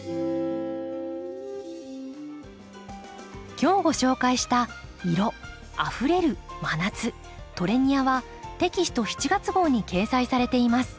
今日ご紹介した「色・あふれる・真夏トレニア」はテキスト７月号に掲載されています。